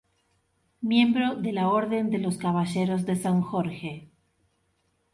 Miembro de la Orden de los caballeros de San Jorge.